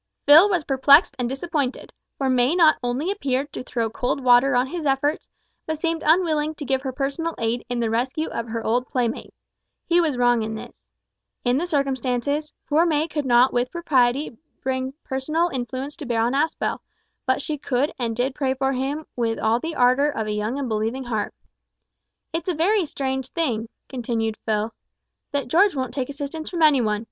Phil was perplexed and disappointed, for May not only appeared to throw cold water on his efforts, but seemed unwilling to give her personal aid in the rescue of her old playmate. He was wrong in this. In the circumstances, poor May could not with propriety bring personal influence to bear on Aspel, but she could and did pray for him with all the ardour of a young and believing heart. "It's a very strange thing," continued Phil, "that George won't take assistance from any one.